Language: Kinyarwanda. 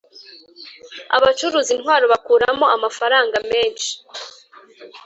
abacuruza intwaro bakuramo amafaranga menshi